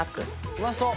うまそう！